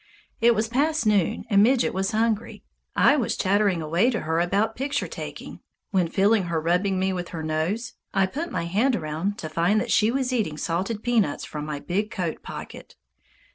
It was past noon and Midget was hungry. I was chattering away to her about picture taking when, feeling her rubbing me with her nose, I put my hand around to find that she was eating salted peanuts from my big coat pocket.